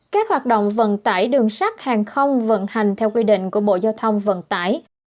các hoạt động vận tải đường sắt hàng không vận hành theo quy định của bộ giao thông vận tải